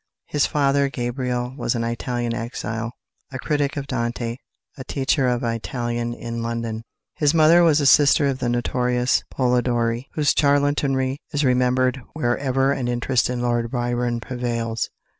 His father, Gabriele, was an Italian exile, a critic of Dante, a teacher of Italian in London. His mother was a sister of the notorious Polidori, whose charlatanry is remembered wherever an interest in Lord Byron prevails.